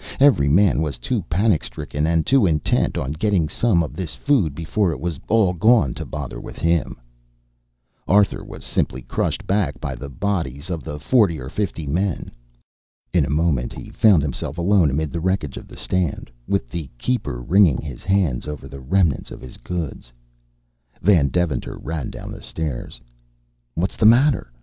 Every man was too panic stricken, and too intent on getting some of this food before it was all gone to bother with him. Arthur was simply crushed back by the bodies of the forty or fifty men. In a moment he found himself alone amid the wreckage of the stand, with the keeper wringing his hands over the remnants of his goods. Van Deventer ran down the stairs. "What's the matter?"